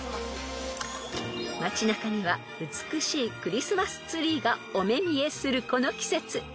［街中には美しいクリスマスツリーがお目見えするこの季節］